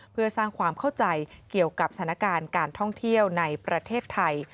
เพื่อสร้างความเข้าใจเกี่ยวกับสถานการณ์การท่องเที่ยวในประเทศไทย